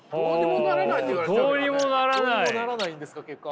どうにもならないんですか結果。